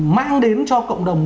mang đến cho cộng đồng